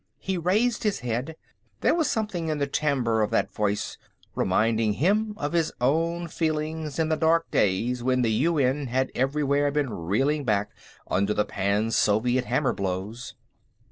He raised his head; there was something in the timbre of that voice reminding him of his own feelings in the dark days when the UN had everywhere been reeling back under the Pan Soviet hammer blows.